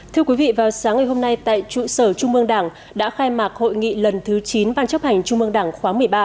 thưa quý vị vào sáng ngày hôm nay tại trụ sở trung mương đảng đã khai mạc hội nghị lần thứ chín ban chấp hành trung mương đảng khóa một mươi ba